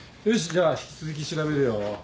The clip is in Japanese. じゃあ引き続き調べるよ。